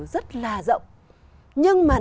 rất là rộng